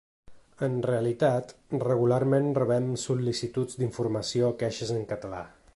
En realitat, regularment rebem sol·licituds d’informació o queixes en català.